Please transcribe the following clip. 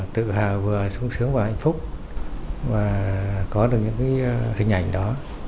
tự hào vừa sung sướng và hạnh phúc và có được những hình ảnh đó